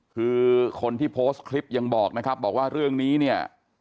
คือคนที่โพสต์คลิปยังบอกนะครับบอกว่าเรื่องนี้เนี่ย